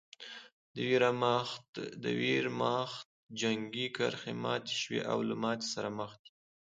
د ویرماخت جنګي کرښې ماتې شوې او له ماتې سره مخ دي